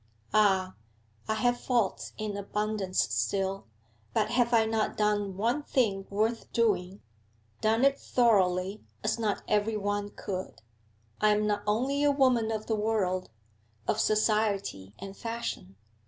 Ah! I have faults in abundance still, but have I not done one thing worth doing, done it thoroughly, as net everyone could? I am not only a woman of the world, of society and fashion?